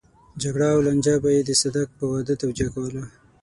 جګړه او لانجه به يې د صدک په واده توجيه کوله.